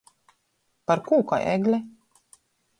Par kū kai egle?